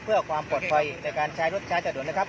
เพื่อความปลอดภัยในการใช้รถช้าจะด่วนนะครับ